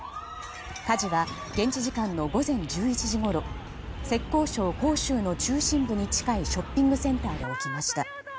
火事は現地時間の午前１１時ごろ浙江省杭州の中心部に近いショッピングセンターで起きました。